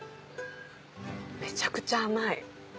めちゃくちゃ甘い！